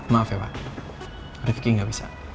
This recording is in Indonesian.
maaf ya pak rifki nggak bisa